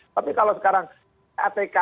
tapi kalau sekarang atk